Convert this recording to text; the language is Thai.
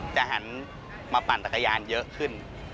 หันมาปั่นจักรยานเยอะขึ้น